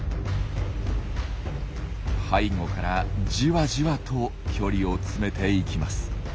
背後からじわじわと距離を詰めていきます。